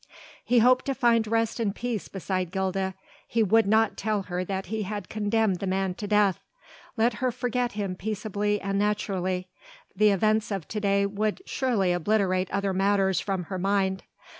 He hoped to find rest and peace beside Gilda; he would not tell her that he had condemned the man to death. Let her forget him peaceably and naturally; the events of to day would surely obliterate other matters from her mind.